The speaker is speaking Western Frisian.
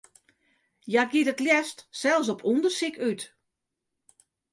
Hja giet it leafst sels op ûndersyk út.